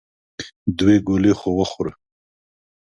دوې ګولې خو وخوره !